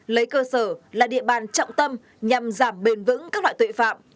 lấy cơ sở là địa bàn trọng tâm nhằm giảm bền vững các loại tội phạm